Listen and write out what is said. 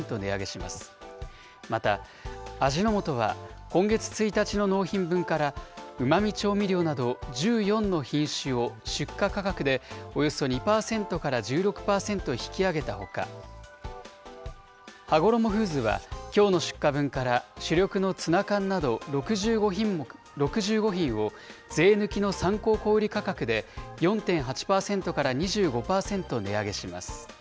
また、味の素は今月１日の納品分から、うま味調味料など、１４の品種を出荷価格でおよそ２％から１６％引き上げたほか、はごろもフーズは、きょうの出荷分から、主力のツナ缶など６５品を税抜きの参考小売り価格で４．８％から２５％値上げします。